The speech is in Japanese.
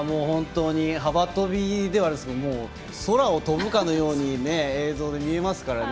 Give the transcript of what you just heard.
幅跳びでは空を飛ぶかのように映像で見えますからね。